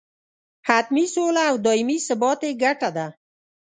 حتمي سوله او دایمي ثبات یې ګټه ده.